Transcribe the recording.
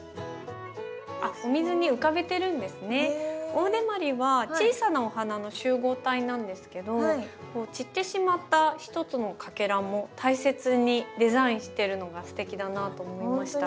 オオデマリは小さなお花の集合体なんですけど散ってしまった一つのかけらも大切にデザインしてるのがすてきだなと思いました。